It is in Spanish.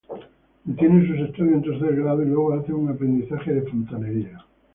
Detiene sus estudios en tercer grado y luego hace un aprendizaje de fontanería.